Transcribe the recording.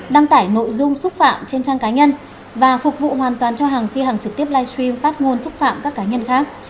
đăng tải nội dung xúc phạm trên trang cá nhân và phục vụ hoàn toàn cho hàng khi hàng trực tiếp livestream phát ngôn xúc phạm các cá nhân khác